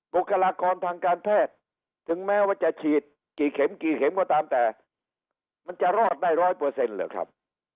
บุคลากรทางการแพทย์ถึงแม้ว่าจะฉีดกี่เข็มกี่เข็มก็ตามแต่มันจะรอดได้ร้อยเปอร์เซ็นต์เหรอครับ